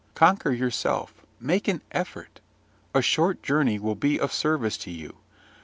Conquer yourself; make an effort: a short journey will be of service to you.